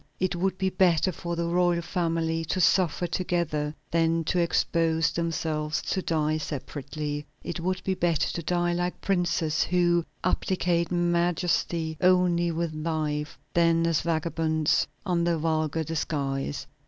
It would be better for the royal family to suffer together than to expose themselves to die separately. It would be better to die like princes, who abdicate majesty only with life, than as vagabonds, under a vulgar disguise.